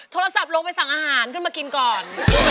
ธรรมชาติโดกไปสั่งอาหารขึ้นมากินก่อน